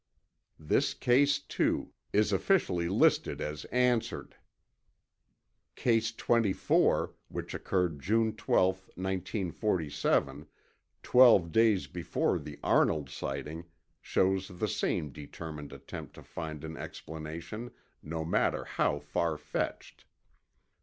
This case, too, is officially listed as answered. Case 24, which occurred June 12, 1947, twelve days before the Arnold sighting, shows the same determined attempt to find an explanation, no matter how farfetched.